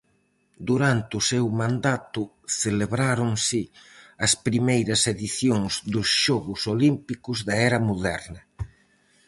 Durante o seu mandato celebráronse as primeiras edicións dos Xogos Olímpicos da Era Moderna.